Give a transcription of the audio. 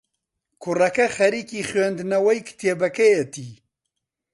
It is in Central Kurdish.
کوڕەکە خەریکی خوێندنەوەی کتێبەکەیەتی.